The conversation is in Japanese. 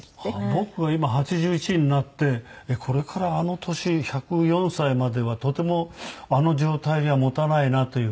僕が今８１になってこれからあの年１０４歳まではとてもあの状態には持たないなという。